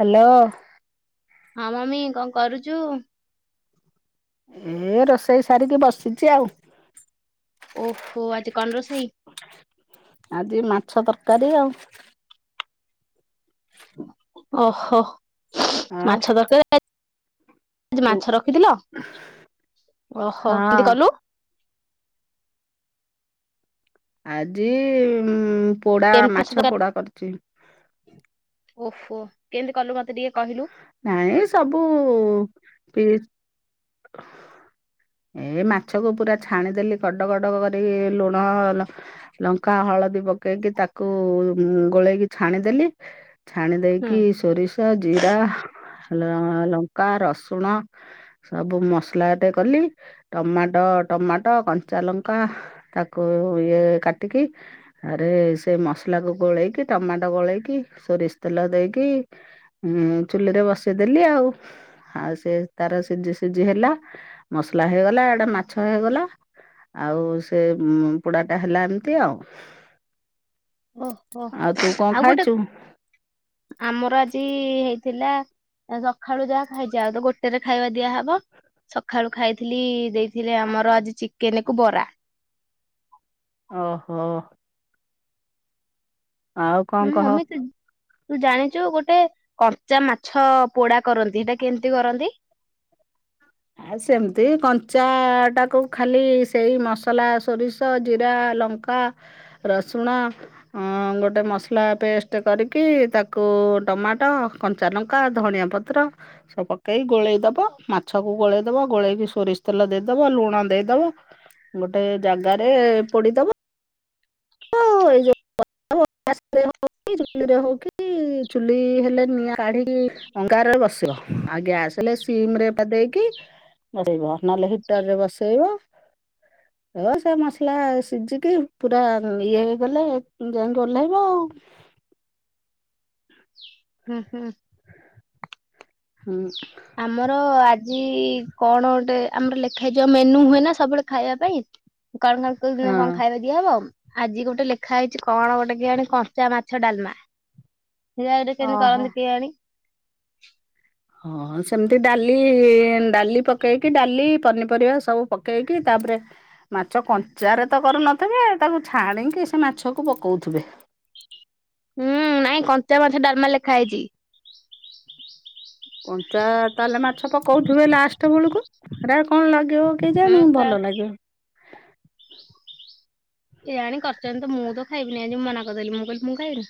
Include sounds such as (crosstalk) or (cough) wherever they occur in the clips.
Hello. ହଁ mummy କଣ କରୁଚୁ? ଏ ରୋଷେଇ ସାରିକି ବସିଚି ଆଉ। ଓହୋ ଆଜି କଣ ରୋଷେଇ? ଆଜି ମାଛ ତରକାରୀ ଆଉ। ଓହୋ ଆଉ ମାଛ ତରକାରୀ? ହେ ଆଜି ତୁ ମାଛ ରଖିଥିଲ ଓହୋ ହଁ କିନ୍ତି କଲୁ? ଆଜି ଉଁ ଉଁ କେମତି ସୁଧ କାଟୁ ଓହୋ କେମତି କଲୁ ମତେ ଟିକେ କହିଲୁ? ନାଇଁ ସବୁ ଉ ଉ ପିଦେଇଚ (unintelligible) ଏ ମାଛକୁ ପୁରା ଛାଣିଦେଲି କଡ଼ କଡ଼ କରିକି ଲୁଣ ଲ ଲଙ୍କା ହଳଦୀ ପକେଇକି ତାକୁ ଗୋଳେଇକି ଛାଣିଦେଲି। ଛାଣି ହୁଁ ଦେଇକି ସୋରିଷ ଜିରା ଲ ଲଙ୍କା ରସୁଣ ସବୁ ମସଲା ଟେ କଲି ଟମାଟ ଟମାଟ କଞ୍ଚା ଲଙ୍କା ତାକୁ ଇଏ କାଟିକି ଆରେ ସେ ମସଲାକୁ ଗୋଳେଇକି ଟମାଟୋ ଗୋଳେଇକି ସୋରିଷ ତେଲ ଦେଇକି ଉଁ ଚୁଲିରେ ବସେଇଦେଲି ଆଉ, ଆଉ ସେ ତାର ସେ ସିଝି ସିଝି ହେଲା ମସଲା ହେଇଗଲା ଇଆଡ଼େ ମାଛ ହେଇଗଲା। ଆଉ ସେ ଉଁ ମ୍ ପୋଡା ଟା ହେଲା ଏମିତି ଆଉ। ଓହୋ ଆଉ ତୁ କଣ ଖାଇଚୁ? ଆମର ଆଜି ହେଇଥିଲା। ଏ ସଖାଳୁ ଯାହା ଖାଇଛି ଆଉ ତ ଗୋଟେରେ ଖାଇବା ଦିଆହବ। ସଖାଳୁ ଖାଇଥିଲି ଦେଇଥିଲେ ଆମର ଆଜି ଚିକେନକୁ ବରା। ଓହୋଃ ଆଉ କଣ ହୁଁ କହ ମମି (unintelligible) ତୁ ଜାଣିଛୁ ଗୋଟେ କଞ୍ଚା ମାଛ ପୋଡା କରନ୍ତି ସେଇଟା କେମିତି କରନ୍ତି। ଆଉ ସେମିତି କଞ୍ଚା ଟାକୁ ଖାଲି ସେଇ ମସଲା ସୋରିଷ ଜିରା ଲ ଙ୍କା, ରସୁଣ, ହଁ ଗୋଟେ ମସଲା ପେଷ୍ଟ କରିକି ତାକୁ ଟମାଟୋ କଞ୍ଚା ଲଙ୍କା ଧଣିଆ ପତ୍ର ସବୁ ପକେଇ ଗୋଳେଇଦବ ମା ଛକୁ ଗୋଳେଇ ଦବ ଗୋଳେଇକି ସୋରିଷ ତେଲ ଦେଇଦବ ଲୁଣ ଦେଇଦବ। ଗୋଟେ ଜାଗାରେ ପୋଡିଦବ। ଏଇଯଉ (unintelligible) ଚୁଲି ରେ ହଉ କି କି ଚୁଲି ହେଲେ ନିଆଁ କାଢିକି ଅଙ୍ଗାରରେ ବସିବ ଆଉ ଗ୍ୟାସ ହେଲେ ସିମିରେ ଦେଇକି ବସେଇବ ନହେଲେ ହିଟର ରେ ବସେଇବ ହ ସେ ମସଲା ସିଝିକି ପୁରା ହଁ ଇଏ ହେଇଗଲେ ଯାଇକି ଓହ୍ଲେଇବ ଆଉ ହୁଁ ହୁଁ ହୁଁ ଆମର ଆଜି କଣ ଗୋଟେ ଆମର ଲେଖା ହେଇଯିବ ମେନୁ ହୁଏ ନା ସବୁବେଳେ ଖାଇବା ପାଇଁ କଣ କଣ କେଉଁ ଦିନ ହଁ। କଣ ଖାଇବା (unintelligible) କି ହବ ଆଜି ଗୋଟେ ଲେଖା ହେଇଛି କଣ ଗୋଟେ କେଆଣି କଞ୍ଚା ମାଛ ଡାଲମା (unintelligible) ଓହୋ। କରନ୍ତି କେ ଆଣି ହଁ ସେମିତି ଡାଲି ଡାଲି ପକେଇକି ଡାଲି ପନିପରିବା ସବୁ ପକେଇକି ତାପରେ ମାଛ କଞ୍ଚାରେ ତ କରୁନଥିବେ ତାକୁ ଛାଣିକି ସେ ମାଛକୁ ପକଉଥିବେ ହୁଁ ନାଇଁ କଞ୍ଚା ମାଛ ଡାଲମା ଲେଖା ହେଇଛି କଞ୍ଚା ତାହେଲେ ମାଛ ପକଉଥିବେ ଲାଷ୍ଟ ବେଳକୁ ହେରା କଣ ଲାଗିବ ହୁଁ କେଜାଣି ସେଟା ଭଲ ଲାଗେ କେଜାଣି କରିଛନ୍ତି ତ ମୁଁ ତ ଖାଇବିନି ଆଜି ମନା କରିଦେଲି ମୁଁ କହିଲି ମୁଁ ଖାଇବିନି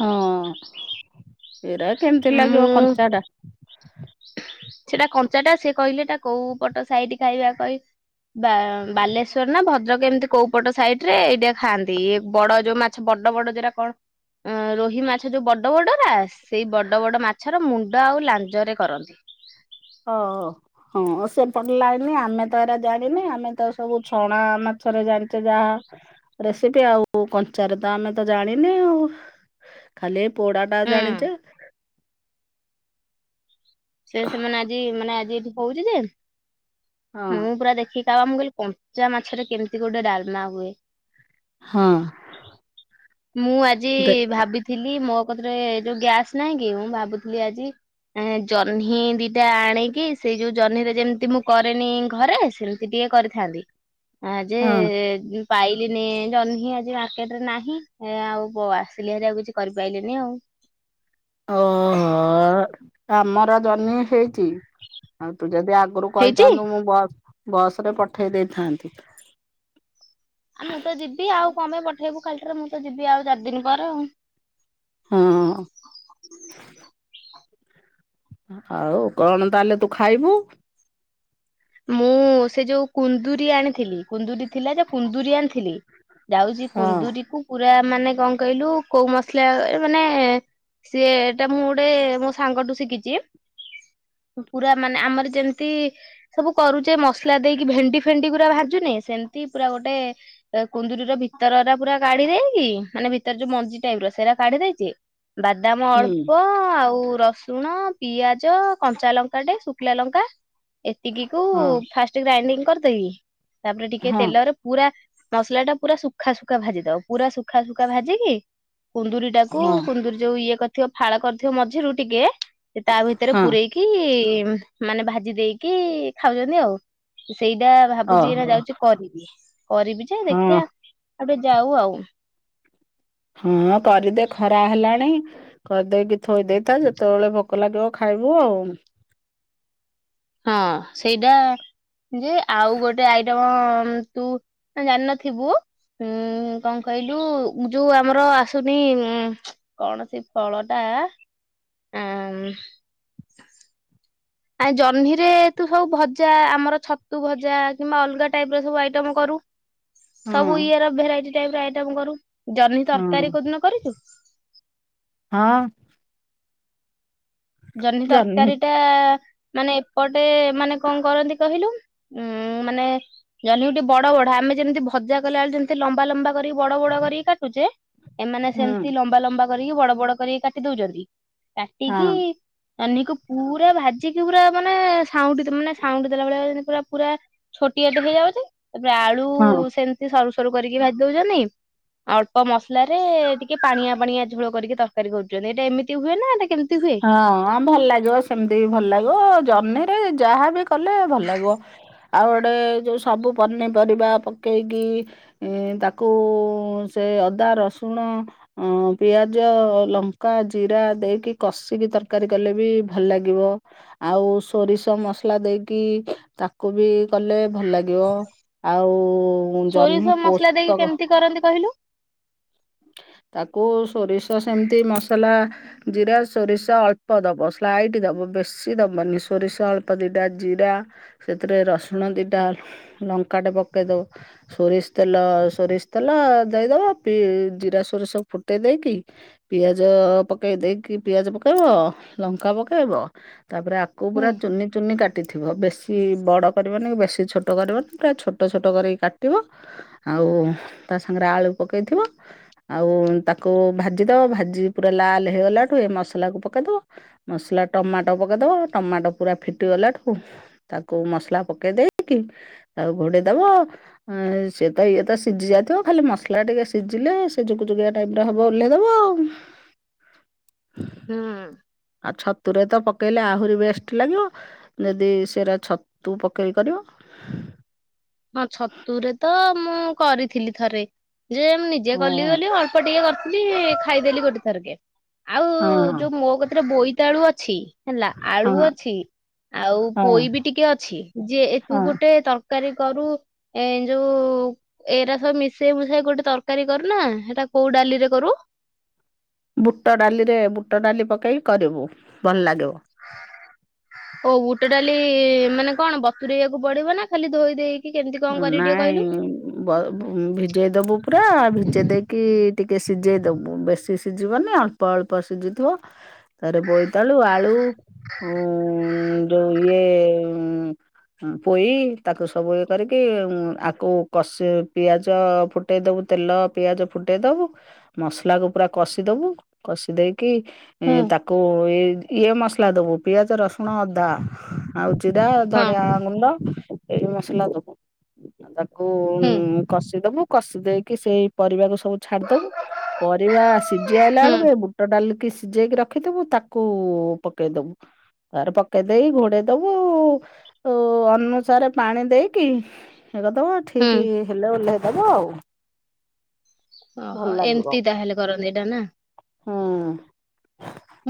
ହଁ ଏରା କେମିତି ଲାଗିବ ମୁଁ କଞ୍ଚାଟା ସେଟା କଞ୍ଚାଟା ସେ କହିଲେ ଏଇଟା କୋଉ ପଟ ସାଇଠ ଖାଇବା କହି ବା ବାଲେଶ୍ଵର ନା ଭଦ୍ରକ ଏମିତି କୋଉପଟ ସାଇଡ ରେ ଏଇଟା ଖାଆନ୍ତି ଏ ବଡ ଯୋଉ ମାଛ ଛ ବଡ ବଡ ଯାଉଟା କଣ ଅ ରୋହି ମାଛ ଯଉ ବଡ ବଡ ରା - ସେଇ ବଡ଼ ବଡ ମାଛର ମୁଣ୍ଡ ଆଉ ଲାଞ୍ଜରେ କରନ୍ତି ଓ ହ ହଁ ସେପଟେ ଲାଇନ ଆମେ ତ ଏରା ଜାଣିନି ଆମେ ତ ସବୁ ଛଣା ମାଛରେ ଜାଣିଛେ ଯାହା ରେସିପି ଆଉ କଞ୍ଚାରେ ତ ଆମେ ତ ଜାଣିନେ ଆଉ। ଖାଲି ଏଇ ପୋଡ ଟା ଜାଣିଛେ। ସେ ସେମାନେ ଆଜି ମାନେ ଆଜି ଏଠି ହଉଛି ଯେ ହଁ ମୁଁ ପୁରା ଦେଖି ତାବାଦ୍ ମୁଁ କହିଲି କଞ୍ଚା ମାଛରେ କେମିତି ଗୋଟେ ଡାଲମା ହୁଏ। ହଁ ମୁଁ ଆଜି ଦେ ଭାବି ଥିଲି ମୋ ପାଖରେ ଯଉ ଗ୍ୟାସ୍ ନାହିଁ କି ମୁଁ ଭାବୁଥିଲି ଆଜି ଜହ୍ନି ଦିଟା ଆଣିକି ସେଇ ଯଉ ଜହ୍ନିରେ ଯେମିତି ମୁଁ କରେନି ଘରେ ସେମିତି ସେ ଟିକେ କରିଥାନ୍ତି ଆ ଯେ ହଁ ପାଇଲିନି ଜହ୍ନିଁ ଆଜି ମାର୍କେଟରେ ନାହିଁ ଆଉ ଆସିଲି ଭାରି ଆଉ କିଛି କରିପାରଲିନି ଆଉ। ଓହୋ ଆମର ଜହ୍ନି ହେଇଛି ଆଉ ତୁ ଯଦି ଆଗରୁ ହେଇଛି? କହିଥାନ୍ତୁ ମୁଁ ବସ ବସରେ ପଠେଇ ଦେଇଥାନ୍ତି। ଆଉ ମୁଁ ତ ଯିବି ଆଉ କଣ ପାଇଁ ପଠେଇବୁ ଖାଲିଟାରେ ମୁଁ ତ ଯିବି ଆଉ ଚାରି ଦିନ ପରେ ଆଉ। ହଁ ଆଉ କଣ ତାହେଲେ ତୁ ଖାଇବୁ? ମୁଁ ସେ ଯଉ କୁନ୍ଦୁରି ଆଣିଥିଲି, କୁନ୍ଦୁରି ଥିଲା ଯେ କୁନ୍ଦୁରି ଆଣିଥିଲି ଯାଉଛି ହଁ କୁନ୍ଦୁରି କୁ ପୁରା ମାନେ କଣ କହିଲୁ କୋଉ ମସଲାରେ ମାନେ ସିଏ ଏଇଟା ମୁଁ ଗୋଟେ ମୋ ସାଙ୍ଗଠୁ ଶିଖିଛି। ପୁରା ମାନେ ଆମର ଯେମିତି ସବୁ କରୁଛେ ମସଲା ଦେଇକି ଭେଣ୍ଡି ଫେଣ୍ଡି ପୁରା ବାହାର ଯଉ ନାଇଁ ସେମତି ପୁରା ଗୋଟେ କୁନ୍ଦୁରୀର ଭିତରଟା ପୁରା କାଢି ଦେଇକି ମାନେ ଭିତର ଯଉ ମଞ୍ଜି ଟାଇପର ସେଇଟା କାଢି ଦେଇଛି। ବାଦାମ ହୁଁ ଅଳ୍ପ ଆଉ ରସ ରସୁଣ, ପିଆଜ, କଞ୍ଚା ଲଙ୍କାଟେ, ଶୁଖିଲା ଲଙ୍କା ଟିକିକୁ ହଁ ଫାଷ୍ଟ ଗ୍ରାଇଣ୍ଡିଙ୍ଗ କରିଦେଇକି ତାପରେ ଟିକେ ହଁ ତେଲରେ ପୁରା ମସଲାଟା ପୁରା ସୁଖା ସୁୁଖା ଭାଜିଦବ ପୁରା ସୁୁଖା ସୁୁଖା ଭାଜିକି କୁନ୍ଦୁରି ତାକୁ ହଁ କୁନ୍ଦୁୁର ଯୋଉ ଇଏ କରିଥିବ ଫାଳ କରିଥିବ ମଝିରୁ ଟିକେ ତା ଭିତରେ ହଁ ପୁରେଇ କି ମାନେ ଭାଜି ଦେଇକି ଖାଉଛନ୍ତି ଆଉ। ତ ସେଇଟା ଭାବୁଚି ଏଇନା ଓହୋ ଯାଇକି କରିବି, କରିବି ଯେ ହଁ ଦେଖିବା ଏବେ ଯାଉ ଆଉ। ହଁ କରିଦେ ଖରା ହେଲାଣି। କରିଦେଇକି ଥୋଇ ଦେଇଥା ଯେତେବେଳେ ଭୋକ ଲାଗିବ ଖାଇବୁ ଆଉ। ହଁ ସେଇଟା ଯେ ଆଉ ଗୋଟେ ଆଇଟମ ହଁ ତୁ ଜାଣିନଥିବୁ। ହୁଁ, କଣ କହିଲୁ ଯୋଉ ଆମର ଆସୁନି କଣ ସେ ଫଳଟା, ଆଁ ମାନେ ଜହ୍ନିରେ ତୁ ସବୁ ଭଜା ଆମର ଛତୁ ଭଜା କିମ୍ବା ଅଲଗା ଟାଇପ ର ସବୁ ଆଇଟମ କରୁ। (inaudible) ସବୁ ଇଏ ର ଭେରାଇଟି ଟାଇପ ର ଆଇଟମ କରୁ। ଜହ୍ନି ହଁ ତରକାରୀ କଉ ଦିନ କରିଛୁ? ହଁ। ଜହ୍ନି ତରକାରୀଟା ମାନେ ଏପଟେ ମାନେ କଣ କରନ୍ତି କହିଲୁ? ଉୁଁ ମାନେ ଜହ୍ନିକୁ ଟିକେ ବଡ଼ ବଡ଼ ଆମେ ଯେମିତି ଭଜା କଲା ବେଳେ ଯେମିତି ଲମ୍ବା ଲମ୍ବା କରିକି ବଡ଼ ବଡ଼ କରିକି କାଟୁଛେ, ଏମାନେ ହୁଁ ସେମତି ଲମ୍ବା ଲମ୍ବା କରିକି ବଡ଼ ବଡ଼ କରିକି କାଟି ଦଉଛନ୍ତି ହଁ କାଟିକି ଜହ୍ନିକୁ ପୁରା ଭାଜିକି ପୁରା ମାନେ ସାଉଁଟି ମାନେ ସାଉଁଟି ଦେଲା ଭଳିଆ ଯେମିତି ପୁରା ପୁରା ଛୋଟିଆଟେ ହେଇଯାଉଛି ତାପରେ ଆଳୁ ହଁ ସେମିତି ସରୁ ସରୁ କରିକି ଭାଜି ଦଉଛନ୍ତି। ଅଳ୍ପ ମସଲାରେ ଟିକେ ପାଣିଆ ପାଣିଆ ଝୋଳ କରିକି ତର୍କାରୀ କରୁଛନ୍ତି ଏଇଟା ଏମିତି ହୁଏ ନା ଏଟା କେମିତି ହୁଏ? ହଁ ଭଲ୍ ଲାଗିବ ସେମିତି ବି ଭଲ୍ ଲାଗିବ ଜହ୍ନି ରେ ଯାହାବି କଲେ ଭଲ୍ ଲାଗିବ। ଆଉ ଗୋଟେ ଯଉ ସବୁ ପନିପରିବା ପକେଇକି ଏଁ ତାକୁ ସେ ଅଦା ରସୁଣ ଅଁ ପିଆଜ, ଲଙ୍କା, ଜିରା, ଦେଇକି କଷିକି ତର୍କାରୀ କଲେ ବି ଭଲ୍ ଲାଗିବ। ଆଉ ସୋରିଷ ମସ୍ଲା ଦେଇକି ତାକୁ ବି କଲେ ଭଲ୍ ଲାଗିବ ଆଉ ସୋରିଷ ଜହ୍ନି ମସଲା ଦେଇକି ପୋସ୍ତକ କେମିତି କରନ୍ତି କହିଲେ? ତାକୁ ସୋରିଷ ସେମିତି ମସଲା ଜିରା ସୋରିଷ ଅଳ୍ପ ଦବ ସ୍ଲାଇଟ୍ ଦବ ବେଶି ଦବନି ସୋରିଷ ଅଳ୍ପ ଦିଟା ଜିରା ସେଥିରେ ରସୁଣ ଦିଟା ଲଙ୍କାଟେ ପକେଇଦବ ସୋରିଷ୍ନ ତେଲ ସୋରିଷ୍ ତେଲ ଦେଇଦବ ପି ଜିରା ସୋରିଷ ଫୁଟେଇ ଦେଇକି ପିଆଜ ପକେଇ ଦେଇକି ପିଆଜ ପକେଇବ ଲଙ୍କା ପକେଇବ ତାପରେ ଆ କୁ ହୁଁ। ପୁରା ଚୁନି ଚୁନି କା କାଟିଥିବ ବେଶୀ ବଡ଼ କରିବନି କି ବେଶୀ ଛୋଟ କରିବନି ପୁରା ଛୋଟ ଛୋଟ କରିକି କାଟିବ ଆଉ ତା ସାଙ୍ଗେରେ ଆଳୁ ପକେଇଥିବ ଆଉ ତାକୁ ଭାଜି ଦବ ଭାଜି ପୁରା ଲାଲ୍ ହେଇଗଲାଠୁ ଏ ମସଲାକୁ ପକେଇ ଦବ ମସ୍ଲା ଟମାଟୋ ପକେଇଦବ ଟମାଟୋ ପୁରା ଫିଟିଗଲାଠୁ ତାକୁ ମସ୍ଲା ପକେଇ ଦେଇକି ଆଉ ଘୋଡେଇ ଦବ ସିଏ ତ ଇଏ ତ ସିଝି ଯାଇଥିବ ଖାଲି ମସ୍ଲା ଟିକେ ସିଝିଲେ ସେ ଯୁକୁ ଯୁକିଆ ଟାଇପ୍ ର ହବ ଓ୍ଲାଇଦବ ଆଉ। ହୁଁ। ଆଉ ଛତୁରେ ତ ପକେଇଲେ ଆହୁରି ବେଷ୍ଟ୍ ଲାଗିବ। ଯଦି ସେରା ଛତୁ ପକେଇକି କରିବ ହଁ ଛତୁରେ ତ ମୁଁ କରିଥିଲି ଥରେ। ଯେ ମୁଁ ନିଜେ ହଁ କଲି ବୋଲି ଅଳ୍ପ ଟିକେ କର୍ଥିଲି ଖାଇଦେଲି ଗୋଟେ ଥରକେ ଆଉ ହଁ ଯଉ ମୋ କତିରେ ବୋଇତାଳୁ ଅଛି ହେଲା ହଁ ଆଳୁ ଅଛି ଆଉ ହଁ ପୋଇ ବି ଟିକେ ଅଛି ଯିଏ ଏଠୁ ହଁ ଗୋଟେ ତର୍କାରୀ କରୁ ଏଁ ଯଉ ଏଇରା ସବୁ ମିଶେଇ ମୁସାଇ ଗୋଟେ ତର୍କାରୀ କରୁନା ହେଟା କଉ ଡାଲି ରେ କରୁ? ବୁଟ ଡାଲିରେ ବୁଟ ଡାଲି ପକେଇକି କରିବୁ ଭଲ୍ ଲାଗିବ। ହଉ ବୁଟ ଡାଲି ମାନେ କଣ ବତୁରେଇବାକୁ ପଡିବ ନା ଖାଲି ଧୋଇ ଦେଇ କି କେମ୍ତି କଣ କରିବି ଟିକେ ନାଇଁ କହିଲୁ? ବ ଭିଜେଇ ଦେବୁ ପୁରା ଭିଜେଇ ଦେଇକି ଟିକେ ସିଝେଇ ଦେବୁ ବେଶୀ ସିଝିବନି ଅ ଳ୍ପ ଅଳ୍ପ ସିଝି ଥିବ ତାର ବୋଇତାଳୁ, ଆଳୁ ଉଁ ଯଉ ଇଏ ପୋଇ ତାକୁ ସବୁ କରିକି ଆକୁ କଷି ପିଆଜ ଫୁଟେଇ ଦବୁ ତେଲ ପିଆଜ ଫୁଟେଇ ଦବୁ ମସ୍ଲା କୁ ପୁରା କଷି ଦବୁ କଷି ଦେଇକି ହୁଁ। ଏଁ ତାକୁ ଏଇ ଇଏ ମସ୍ଲା ଦେବୁ ପିଆଜ, ରସୁଣ, ଅଦା ଆଉ ଜିରା ହଁ ଧଣିିଆ ଗୁଣ୍ଡ ଏଇ ମସଲା ଦ କଉ ହୁଁ। କଷିଦବୁ କଷି ଦେଇକି ସେଇ ପରିବାକୁ ସ ସବୁ ଛାଡିଦବୁ ପରିବା ସିଝି ଆଇଲା ହୁଁ ବେଳକୁ ଏ ବୁଟ ଡାଲିକି ସିଜେଇକି ରଖିଦବୁ ତାକୁ ପକେଇଦବୁ ତା ପରେ ପକେଇ ଦେଇକି ଘୋଡେଇ ଦବୁ ଅ ଅନୁସାରେ ପାଣି ଦେଇ କି ହେ କରିଦବ ହୁଁ ଠିକି ହେଲେ ଓହ୍ଲେଇ ଦବ ଆଉ। ଓହୋ ଏମତି ତାହେଲେ କରନ୍ତି ଏଟା, ନାଁ? ହଁ।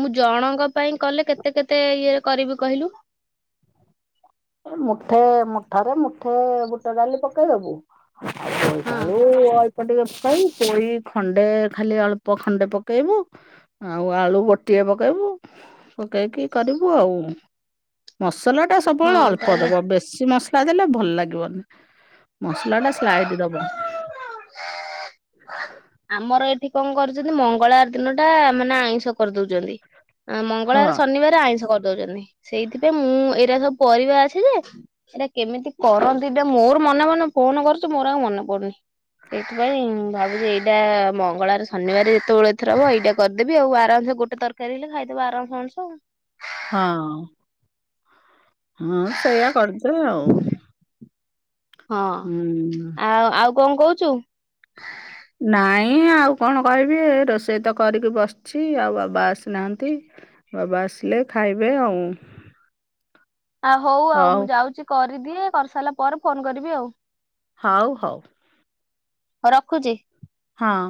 ମୁଁ ଜଣଙ୍କ ପାଇଁ କଲେ କେତେ କେତେ ଇଏ କରିବି କହିଲୁ। ଏ ମୁଠେ ମୁଠାରେ ମୁଠେ ବୁଟ ଡାଲି ପକେଇଦବୁ। ଆଉ ହଁ। ବୋଇତାଳୁ ଅ କ ଟିକେ ପକେଇ ପୋଇ ଖଣ୍ଡେ ଖାଲି ଅଳ୍ପ ଖଣ୍ଡେ ପକେଇବୁ। ଆଉ ଆଳୁ ଗୋଟିଏ ପକେଇବୁ ପକେଇକି କରିବୁ ଆଉ। ମସଲାଟା ସବୁ ବେଳେ ହଁ ଅଳ୍ପ ତାହେଲେ ଦବ ବେଶୀ ମସ୍ ଲା ଦେଲେ ଭଲ ଲାଗିବନି ମସଲାଟା ସ୍ଲାଇଟ୍ ଦବ। (inaudible) ଆମର ଏଠି କଁ କରୁଚନ୍ତି ମଙ୍ଗଳାର ଦିନଟା ମାନେ ଆଇଁଷ କରଦୋଉଚନ୍ତି। ଅଁ ହଁ ମଙ୍ଗଳଆର ଶନିବାରେ ଆଇଁଷ କରଦୋଉଚନ୍ତି ସେଇଥିପାଇଁ ମୁଁ ଏରା ସବୁ ପରିବା ଅଛି ଯେ ଏଟା କେମିତି କରନ୍ତି ଡେ ମୋର ମନେ ମନେ ଫୋନ କରୁଚି ମୋର ଆଉ ମନେ ପଡୁନି। ସେଇଥିପାଇଁ ଭାବୁଚି ଏଇ ଟା ମଙ୍ଗଳଆରେ ଶନିବାରେ ଯେତୋଳେ ଏଥର ହବ ଏଇଟା କରିଦେବି ଆଉ ଆରାମସେ ଗୋଟେ ତରକାରୀ ହେଲେ ଖାଇଦବ ଆରାମସେ ଅଣିଷ। ହଁ। ହଁ ସେଇଆ କରିଦେ ଆଉ। ହଁ ହୁଁ। ଆଉ ଆଉ କଁ କହୁଚୁ? ନାଇଁ ଆଉ କଣ କହିବି ଏ ରୋଷେଇ ତ କରିକି ବସ୍ ଛି ଆ ବାବା ଆସିନାହାନ୍ତି ବାବା ଆସିଲେ ଖାଇବେ ଆଉ। ଆ ହଉ ଆଉ ମୁଁ ଯାଉଚି କରିଦିଏ କରିସାଇଲା ପରେ ଫୋନ କରିବି ଆଉ। ହଉ ହଉ। ହ ରଖୁଚି। ହଁ।